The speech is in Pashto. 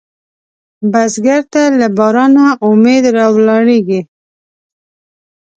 بزګر ته له بارانه امید راولاړېږي